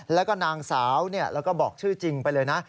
แล้วก็นางสาวแล้วก็บอกชื่อจริงไปเลยนะ